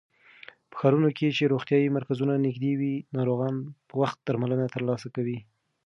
په ښارونو کې چې روغتيايي مرکزونه نږدې وي، ناروغان په وخت درملنه ترلاسه کوي.